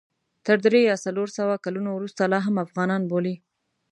تر درې یا څلور سوه کلونو وروسته لا هم افغانان بولي.